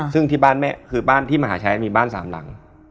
ซึ่งที่บ้านที่มหาชัยมีบ้านสามหลัง